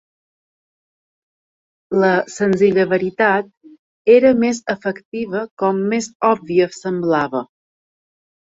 La "senzilla veritat" era més efectiva com més òbvia semblava.